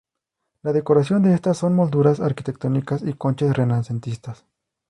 La decoración de estas son molduras arquitectónicas y conchas renacentistas.